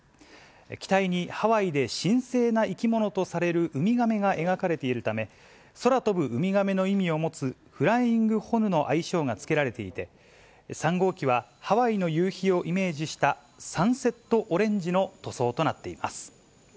機体にハワイで神聖な生き物とされるウミガメが描かれているため、空飛ぶウミガメの意味を持つ、フライングホヌの愛称が付けられていて、３号機はハワイの夕日をイメージしたサンセットオレンジの塗装となっています。